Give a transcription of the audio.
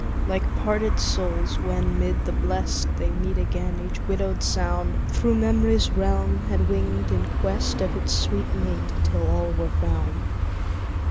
Like parted souls, when, mid the Blest They meet again, each widowed sound Thro' memory's realm had winged in quest Of its sweet mate, till all were found.